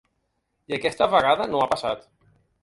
I aquesta vegada no ha passat.